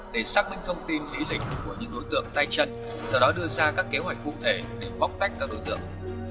để xác minh thông tin lý lịch của những đối tượng tay chân từ đó đưa ra các kế hoạch cụ thể để bóc tách các đối tượng